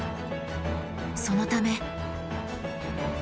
そのため。